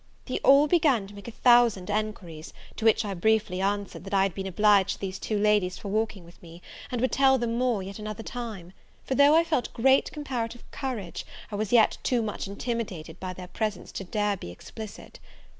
They all began to make a thousand enquiries; to which I briefly answered, that I had been obliged to these two ladies for walking with me, and would tell them more another time: for, though I felt great comparative courage, I was yet too much intimidated by their presence, to dare be explicit.